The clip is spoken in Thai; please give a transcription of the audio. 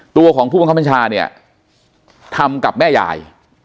ตัวของผู้บังคับบัญชาเนี่ยทำกับแม่ยาย